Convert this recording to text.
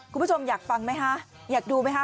คุณผู้ชมอยากฟังไหมคะอยากดูไหมคะ